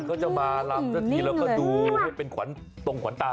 เขามาลำกันบ่อยทิศ